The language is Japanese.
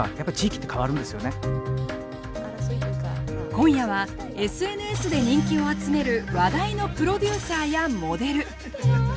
今夜はＳＮＳで人気を集める話題のプロデューサーやモデル。